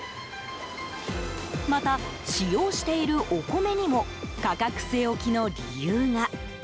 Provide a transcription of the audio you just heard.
また、使用しているお米にも価格据え置きの理由が。